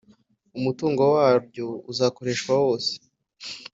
Umutungo Waryo Uzakoreshwa wose